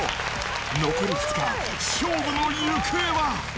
残り２日、勝負の行方は。